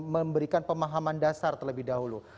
memberikan pemahaman dasar terlebih dahulu